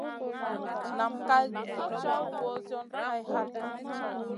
Nam ká gi caw ɓosiyona hay hatna.